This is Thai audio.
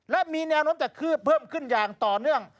และมีแนวโน้มจะคืบเพิ่มขึ้นอย่างต่อเนื่อง